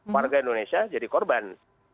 warga indonesia jadi korban